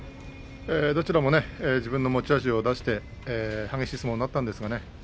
どちらも自分の持ち味を出して激しい相撲になったんですがね